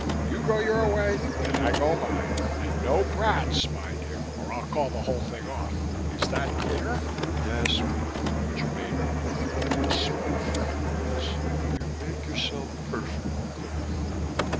You go your way and I go mine. And no brats, mind you! or I'll call the whole thing off. Is that clear?" "Yes, Winnie," Germaine replied, in a small, frightened voice. "You make yourself perfectly clear."